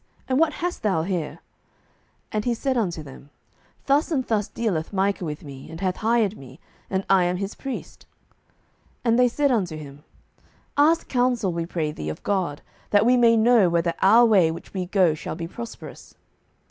and what hast thou here? 07:018:004 And he said unto them, Thus and thus dealeth Micah with me, and hath hired me, and I am his priest. 07:018:005 And they said unto him, Ask counsel, we pray thee, of God, that we may know whether our way which we go shall be prosperous.